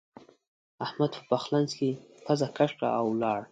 احمد په پخلنځ کې پزه کش کړه او ولاړ.